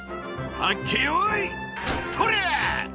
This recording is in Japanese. はっけよいとりゃ！